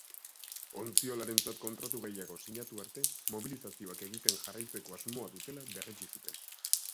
Ontziolarentzat kontratu gehiago sinatu arte, mobilizazioak egiten jarraitzeko asmoa dutela berretsi zuen.